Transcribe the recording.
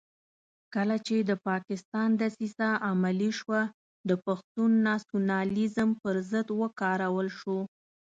کله چې د پاکستان دسیسه عملي شوه د پښتون ناسیونالېزم پر ضد وکارول شو.